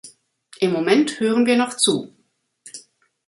Im Moment hören wir noch zu.